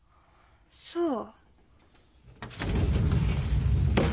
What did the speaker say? そう。